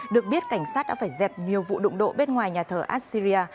được biết cảnh sát đã phải dẹp nhiều vụ đụng độ bên ngoài nhà thờ assyria